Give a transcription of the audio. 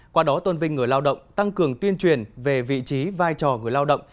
qua đó tôn vinh người lao động tăng cường tuyên truyền về vị trí vai trò người lao động